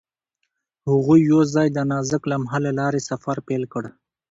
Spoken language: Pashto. هغوی یوځای د نازک لمحه له لارې سفر پیل کړ.